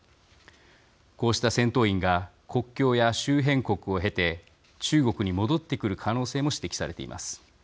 こうした戦闘員が国境や周辺国を経て中国に戻ってくる可能性も指摘されています。